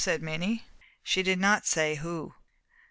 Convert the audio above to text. said Minnie. She did not say who.